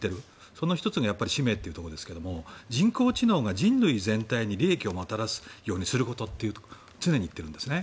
その１つが使命というところですが人工知能が人類全体に利益をもたらすことと常に言っているんですね。